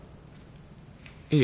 いえ。